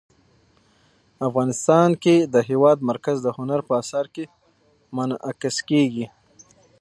افغانستان کې د هېواد مرکز د هنر په اثار کې منعکس کېږي.